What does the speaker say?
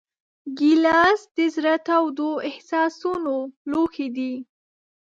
ګیلاس د زړه تودو احساسونو لوښی دی.